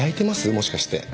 もしかして。